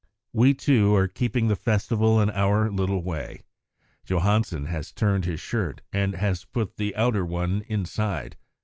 We, too, are keeping the festival in our little way. Johansen has turned his shirt, and has put the outer one inside.